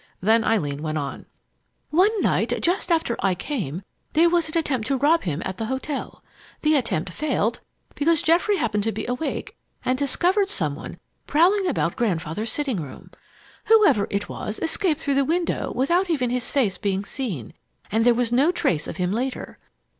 Then Eileen went on: "One night, just after I came, there was an attempt to rob him at the hotel. The attempt failed because Geoffrey happened to be awake and discovered some one prowling about Grandfather's sitting room. Whoever it was escaped through the window without even his face being seen, and there was no trace of him later.